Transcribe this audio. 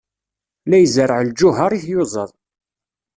La izerreɛ lǧuheṛ i tyuzaḍ.